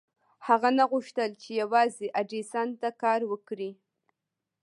هغه نه غوښتل چې يوازې ايډېسن ته کار وکړي.